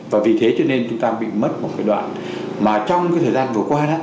và vì thế cho nên chúng ta bị mất một đoạn mà trong thời gian vừa qua